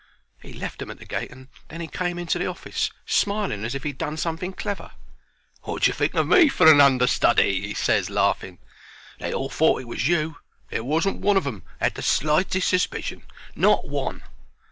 He left 'em at the gate, and then 'e came into the office smiling as if he'd done something clever. "Wot d'ye think of me for a understudy?" he ses, laughing. "They all thought it was you. There wasn't one of 'em 'ad the slightest suspicion not one."